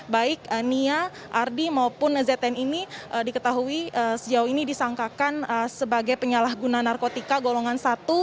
baik nia ardi maupun zn ini diketahui sejauh ini disangkakan sebagai penyalahguna narkotika golongan satu